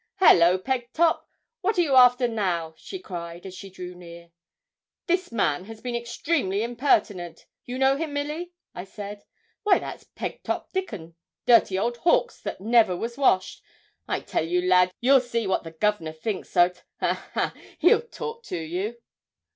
'Hallo, Pegtop! what are you after now?' she cried, as she drew near. 'This man has been extremely impertinent. You know him, Milly?' I said. 'Why that's Pegtop Dickon. Dirty old Hawkes that never was washed. I tell you, lad, ye'll see what the Governor thinks o't a ha! He'll talk to you.'